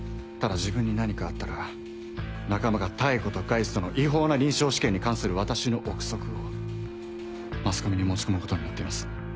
ただ自分に何かあったら仲間が妙子とガイストの違法な臨床試験に関する私の臆測をマスコミに持ち込むことになっています。